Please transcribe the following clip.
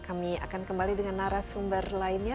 kami akan kembali dengan narasumber lainnya